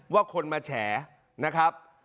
ว่าคนมาแฉนะครับ